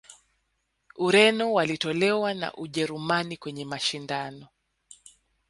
ureno walitolewa na ujerumani kwenye mashindano